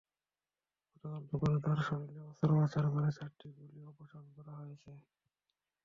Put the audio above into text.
গতকাল দুপুরে তাঁর শরীরের অস্ত্রোপচার করে চারটি গুলি অপসারণ করা হয়েছে।